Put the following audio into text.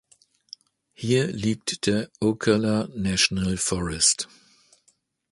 Hier liegt der Ocala National Forest.